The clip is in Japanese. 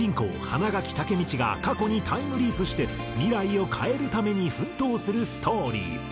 花垣武道が過去にタイムリープして未来を変えるために奮闘するストーリー。